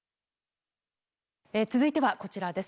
続いてはこちらです。